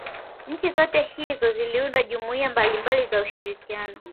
Nchi zote hizo ziliunda jumuiya mbalimabali za ushirikiano